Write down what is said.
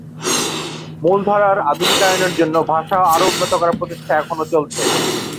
মূলধারার আধুনিকায়নের জন্য ভাষা আরও উন্নত করার প্রচেষ্টা এখনো চলছে।